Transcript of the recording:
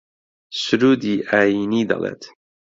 سروودی ئایینی دەڵێت